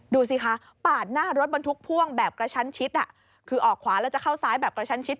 ดูสิคะปาดหน้ารถบรรทุกพ่วงแบบกระชั้นชิดคือออกขวาแล้วจะเข้าซ้ายแบบกระชั้นชิด